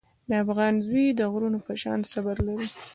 د افغان زوی د غرونو په شان صبر لري.